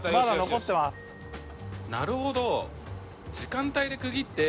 なるほど。